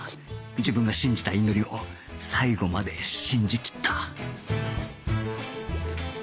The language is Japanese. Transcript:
自分が信じたインド煮を最後まで信じきった